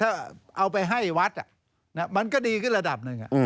ถ้าเอาไปให้วัดมันก็ดีขึ้นระดับหนึ่ง